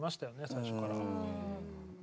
最初から。